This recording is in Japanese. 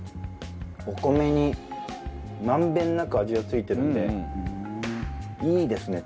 お米に満遍なく味が付いてるんでいいですね。